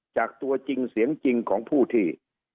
ตัวจริงเสียงจริงของผู้ที่